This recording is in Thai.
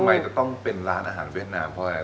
ทำไมจะต้องเป็นร้านอาหารเวียดนามเพราะอะไร